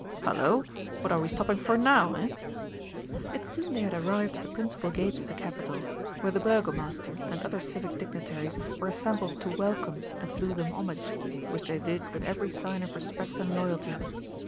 "Hullo! what are we stopping for now, eh?" It seemed they had arrived at the principal gates of the Capital, where the Burgomaster and other civic dignitaries were assembled to welcome and to do them homage, which they did with every sign of respect and loyalty.